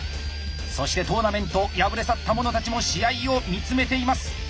そしてトーメントを敗れ去った者たちも試合を見つめています。